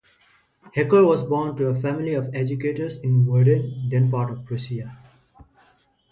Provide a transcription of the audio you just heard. Hecker was born to a family of educators in Werden, then part of Prussia.